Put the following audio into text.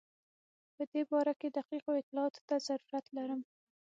په دې باره کې دقیقو اطلاعاتو ته ضرورت لرم.